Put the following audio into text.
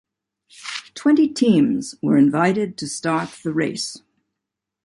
Twenty teams were invited to start the race.